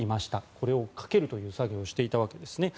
これをかけるという作業をしていたわけですね。